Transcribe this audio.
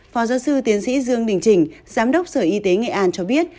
phó giáo sư tiến sĩ dương đình trình giám đốc sở y tế nghệ an cho biết